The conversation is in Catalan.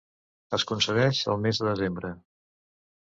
Es concedeix al mes de desembre.